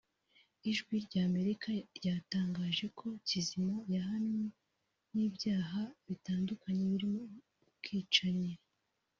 Ijwi rya Amerika ryatangaje ko Kizima yahamwe n’ibyaha bitandatu birimo ubwicanyi